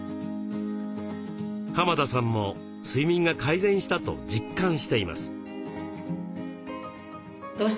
田さんも睡眠が改善したと実感しています。